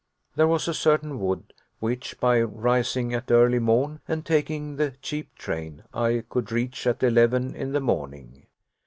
There was a certain wood, which, by rising at early morn, and taking the cheap train, I could reach at eleven in the morning.